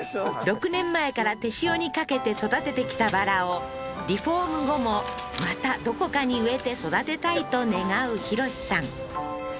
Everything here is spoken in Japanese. ６年前から手塩にかけて育ててきたバラをリフォーム後もまたどこかに植えて育てたいと願う浩さん